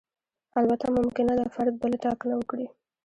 البته ممکنه ده فرد بله ټاکنه وکړي.